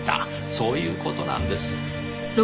そういう事なんです。